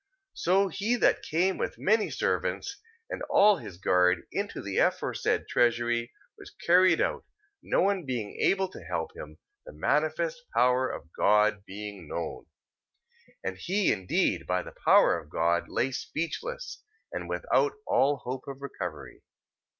3:28. So he that came with many servants, and all his guard, into the aforesaid treasury, was carried out, no one being able to help him, the manifest power of God being known. 3:29. And he indeed, by the power of God, lay speechless, and without all hope of recovery.